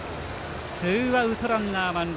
ツーアウトランナー満塁。